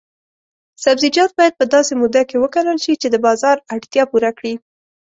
سبزیجات باید په داسې موده کې وکرل شي چې د بازار اړتیا پوره کړي.